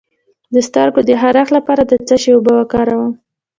د سترګو د خارښ لپاره د څه شي اوبه وکاروم؟